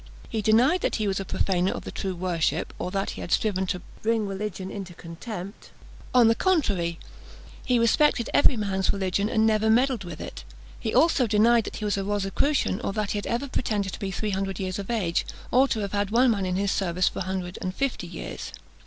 He denied that he was a profaner of the true worship, or that he had ever striven to bring religion into contempt; on the contrary, he respected every man's religion, and never meddled with it. He also denied that he was a Rosicrucian, or that he had ever pretended to be three hundred years of age, or to have had one man in his service for a hundred and fifty years.